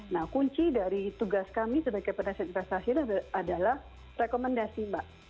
nah kunci dari tugas kami sebagai penasihat investasi adalah rekomendasi mbak